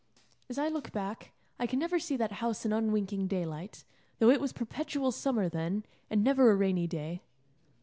As I look back, I can never see that house in unwinking daylight, though it was perpetual summer then, and never a rainy day.